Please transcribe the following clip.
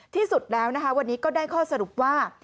ที่สุดแล้วนะคะวันนี้ก็ได้ข้อสรุปว่า